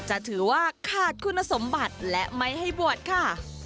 จะถือว่าขาดคุณสมบัติและไม่ให้บวชค่ะ